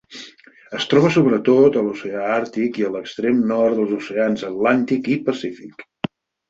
Es troba sobretot a l'oceà Àrtic i l'extrem nord dels oceans l'Atlàntic i Pacífic.